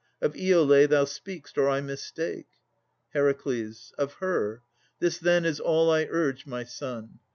Of Iolè thou speak'st, or I mistake. HER. Of her. This then is all I urge, my son.